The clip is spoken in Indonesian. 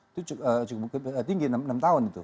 itu cukup tinggi enam tahun itu